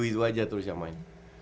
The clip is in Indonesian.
begitu aja terus yang main